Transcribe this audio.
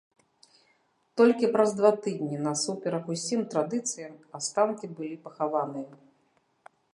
Толькі праз два тыдні, насуперак усім традыцыям, астанкі былі пахаваныя.